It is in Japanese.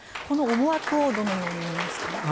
この思惑をどう見ますか？